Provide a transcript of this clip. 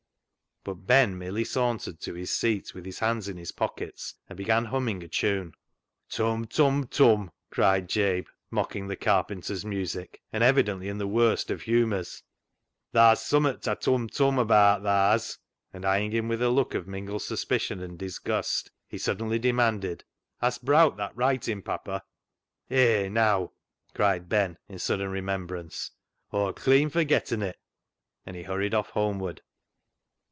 " But Ben merely sauntered to his seat with his hands in his pockets, and began humming a tune. " Tum, tum, tum," cried Jabe, mocking the carpenter's music, and evidently in the worst of humours ;" tha's summat ta ' tum, tum ' abaat, tha has." And eyeing him with a look of mingled suspicion and disgust, he suddenly demanded —" Hast browt that writin' papper ?"*' Hey, neaw !" cried Ben in sudden remem brance ;" Aw'd cleean forgetten it," and he hurried off homeward.